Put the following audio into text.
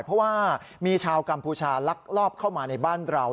เพราะว่ามีชาวกัมพูชาลักลอบเข้ามาในบ้านเรา